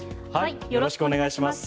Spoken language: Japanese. よろしくお願いします。